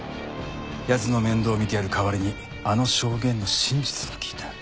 奴の面倒を見てやる代わりにあの証言の真実を聞いた。